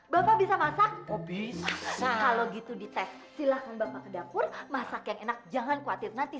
bapak bisa masak obis kalau gitu di tes silahkan bapak dapur masak yang enak jangan khawatir nanti